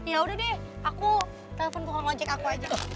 yaudah deh aku telepon tukang ojek aku aja